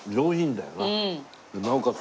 なおかつ